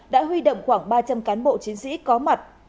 đã huy động khoảng ba trăm linh cán bộ chiến sĩ có mặt